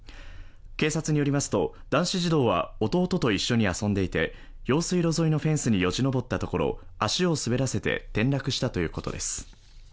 警察によりますと、男子児童は弟と一緒に遊んでいて、用水路沿いのフェンスによじ登ったところ足を滑らせて転落したということです。